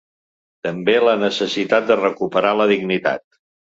També la necessitat de recuperar la dignitat.